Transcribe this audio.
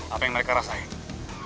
apa yang mereka rasain